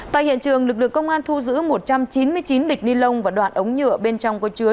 tại hiện trường lực lượng công an thu giữ một trăm chín mươi chín bịch ni lông và đoạn ống nhựa bên trong có chứa